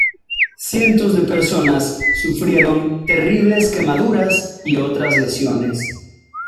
Cientos de personas sufrieron terribles quemaduras y otras lesiones.